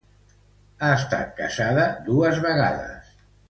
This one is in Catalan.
Ha estat casada dos vegades.